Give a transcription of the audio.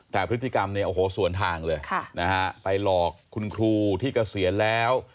แต่พฤติกรรมเนี่ยโอ้โหสวนทางเลยนะฮะไปหลอกคุณครูที่เกษียณแล้ว